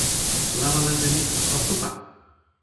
lawa lete mi, o supa!